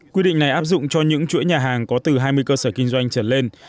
quy định này áp dụng cho những chuỗi nhà hàng có từ hai mươi cơ sở kinh doanh trở lên